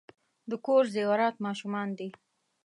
د کور زیورات ماشومان دي .